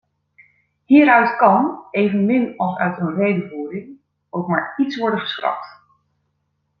Hieruit kan, evenmin als uit een redevoering, ook maar iets worden geschrapt.